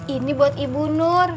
ini buat ibu nur